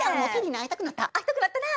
会いたくなったな。